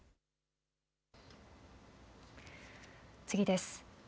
次です。